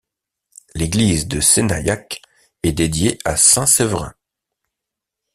L'église de Sénaillac est dédiée à saint Séverin.